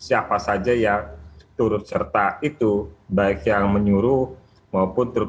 siapa saja yang turut serta itu baik yang menyuruh maupun turut